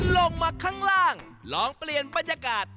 ลงมาข้างล่างลองเปลี่ยนบรรยากาศ